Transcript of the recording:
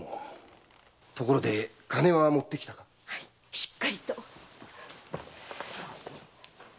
しっかりと。